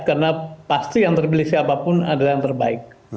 karena pasti yang terbeli siapapun adalah yang terbaik